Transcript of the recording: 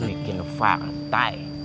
mau bikin fartai